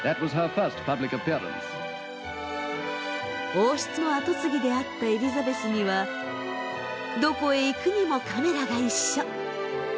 王室の跡継ぎであったエリザベスにはどこへ行くにもカメラが一緒。